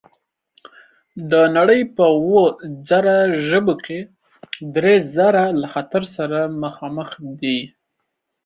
د نړۍ په اووه زره ژبو کې درې زره له خطر سره مخامخ دي.